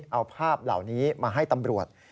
เอาภาพเหล่านี้มาให้ตำรวจ